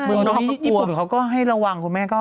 เมืองนอกก็กลัวตอนนี้ญี่ปุ่นเขาก็ให้ระวังคุณแม่ก็